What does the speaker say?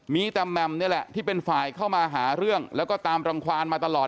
มีแต่แหม่มนี่แหละที่เป็นฝ่ายเข้ามาหาเรื่องแล้วก็ตามรังความมาตลอด